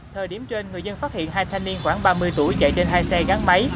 thời điểm trên người dân phát hiện hai thanh niên khoảng ba mươi tuổi chạy trên hai xe gắn máy